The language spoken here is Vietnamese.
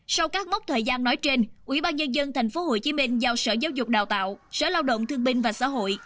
sau các mốc thời gian nói trên ubnd tp hcm giao sở giáo dục đào tạo sở lao động thương binh và xã hội